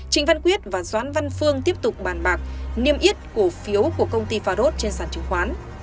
trịnh văn quyết và doãn văn phương tiếp tục bàn bạc niêm yết cổ phiếu của công ty farod trên sản chứng khoán